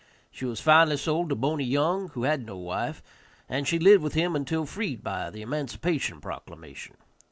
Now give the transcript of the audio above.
She was finally sold to Boney Young, who had no wife; and she lived with him until freed by the emancipation proclamation.